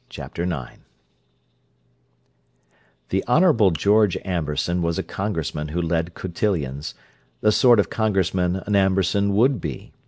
Chapter IX The Honourable George Amberson was a congressman who led cotillions—the sort of congressman an Amberson would be.